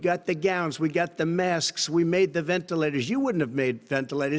kita memiliki peralatan kita memiliki masker kita membuat ventilator anda tidak akan membuat ventilator